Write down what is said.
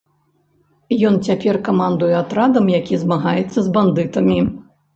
Ён цяпер камандуе атрадам, які змагаецца з бандытамі.